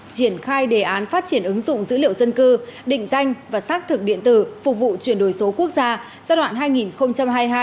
triển khai đề án phát triển ứng dụng dữ liệu dân cư định danh và xác thực điện tử phục vụ chuyển đổi số quốc gia